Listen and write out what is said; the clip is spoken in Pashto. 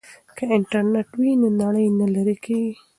که انټرنیټ وي نو نړۍ نه لیرې کیږي.